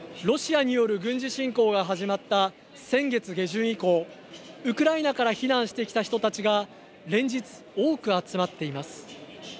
ロシアによる軍事侵攻が始まった先月下旬以降ウクライナから避難してきた人たちが連日、多く集まっています。